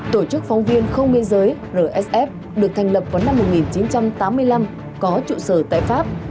tổ chức phóng viên không biên giới rsf được thành lập vào năm một nghìn chín trăm tám mươi năm có trụ sở tại pháp